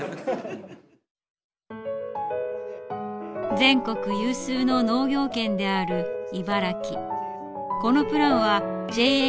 全国有数の農業県である茨城。